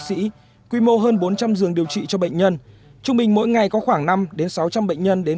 sĩ quy mô hơn bốn trăm linh giường điều trị cho bệnh nhân trung bình mỗi ngày có khoảng năm sáu trăm linh bệnh nhân đến